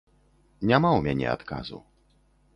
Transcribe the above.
Няма ў мяне адказу.